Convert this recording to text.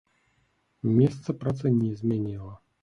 Месца працы не змяніла.